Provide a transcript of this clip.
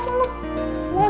gak bisa peluk terus